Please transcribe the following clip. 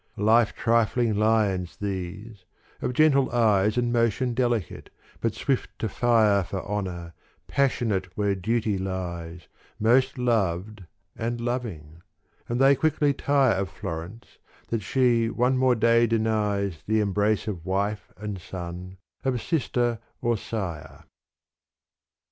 Life trifling lions these, of gentle eyes And motion delicate, but swift to fire For honour, passionate where duty lies, Most loved and loving : and they quickly tire Of Florence, that she one more day denies The embrace of wife and son, of sister or sire.